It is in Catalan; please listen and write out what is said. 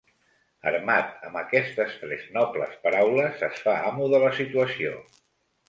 Armat amb aquestes tres nobles paraules, es fa amo de la situaciò.